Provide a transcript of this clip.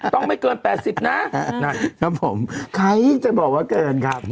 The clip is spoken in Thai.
ต้องไม่เกินแปดสิบนะนั่นครับผมใครจะบอกว่าเกินครับ